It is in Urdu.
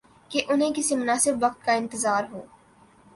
کہ انہیں کسی مناسب وقت کا انتظار ہو۔